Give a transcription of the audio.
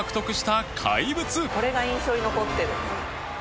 これが印象に残ってる。